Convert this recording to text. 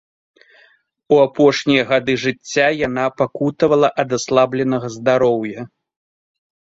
У апошнія гады жыцця яна пакутавала ад аслабленага здароўя.